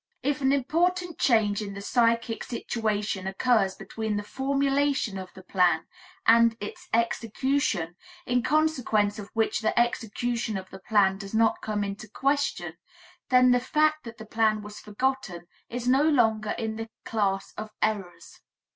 If an important change in the psychic situation occurs between the formulation of the plan and its execution, in consequence of which the execution of the plan does not come into question, then the fact that the plan was forgotten is no longer in the class of errors.